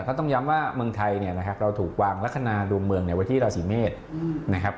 เพราะต้องย้ำว่าเมืองไทยเนี่ยนะครับเราถูกวางลักษณะดวงเมืองไว้ที่ราศีเมษนะครับ